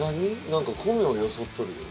なんか米をよそっとるよ。